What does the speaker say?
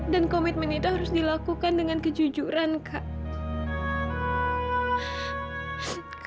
dan komitmen itu harus dilakukan dengan kejujuran kak